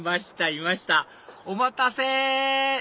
いましたお待たせ！